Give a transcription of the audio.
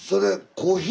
コーヒー。